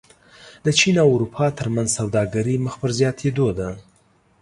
د چین او اروپا ترمنځ سوداګري مخ په زیاتېدو ده.